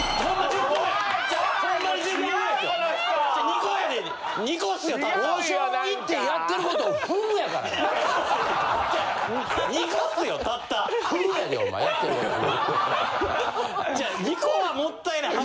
違う２個はもったいない箱。